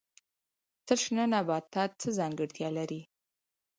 تل شنه نباتات څه ځانګړتیا لري؟